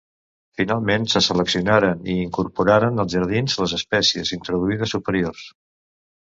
Finalment se seleccionaren i incorporaren als jardins les espècies introduïdes superiors.